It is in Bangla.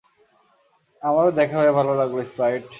আমারও দেখা হয়ে ভালো লাগলো, স্প্রাইট।